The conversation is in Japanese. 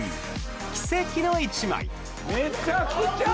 奇跡の１枚。